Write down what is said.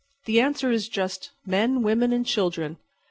"The answer is just—men, women and children.